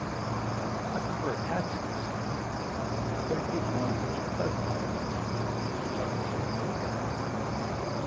"I prefer a taxi," he said; "that gives one such a pleasant occupation; there is always something to look at."